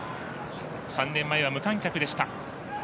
３年前は無観客でした。